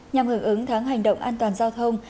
nhằm hưởng ứng tháng hành động an toàn giao thông